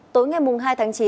tối ngày hai tháng chín